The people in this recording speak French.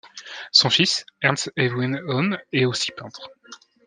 Son fils Ernst Erwin Oehme est aussi peintre.